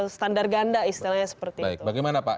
standar ganda istilahnya seperti itu bagaimana pak